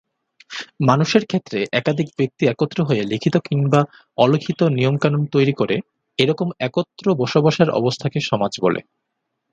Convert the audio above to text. মানুষের ক্ষেত্রে একাধিক ব্যক্তি একত্র হয়ে লিখিত কিংবা অলিখিত নিয়ম-কানুন তৈরি করে; এরকম একত্র বসবাসের অবস্থাকে সমাজ বলে।